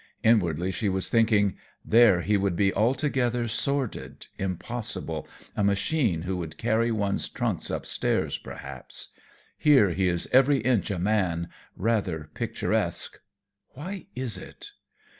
Inwardly she was thinking: "There he would be altogether sordid, impossible a machine who would carry one's trunks upstairs, perhaps. Here he is every inch a man, rather picturesque; why is it?"